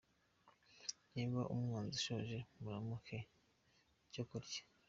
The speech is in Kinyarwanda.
Niba umwanzi ashonje muramuhe icyo kurya.